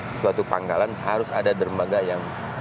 setiap tiga ratus mil suatu pangkalan harus ada dermaga yang berada di dalam